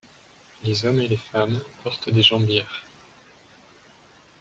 Les hommes et les femmes portent des jambières.